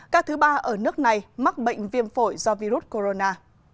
ca thứ ba ở nước này mắc bệnh viêm phổi do virus corona